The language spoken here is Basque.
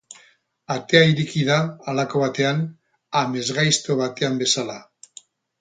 Atea ireki da, halako batean, amesgaizto batean bezala.